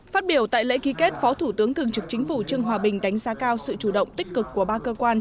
phát biểu tại lễ ký kết phó thủ tướng thường trực chính phủ trương hòa bình đánh giá cao sự chủ động tích cực của ba cơ quan